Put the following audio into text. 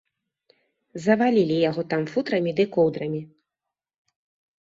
Завалілі яго там футрамі ды коўдрамі.